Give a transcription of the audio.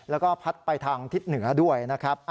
แล้วก็พัดไปทางทิศเหนือด้วยนะครับ